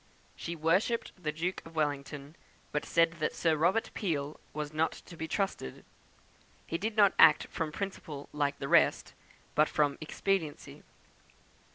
She worshipped the Duke of Wellington, but said that Sir Robert Peel was not to be trusted; he did not act from principle like the rest, but from expediency.